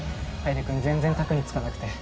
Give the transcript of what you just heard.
楓君全然卓に付かなくて。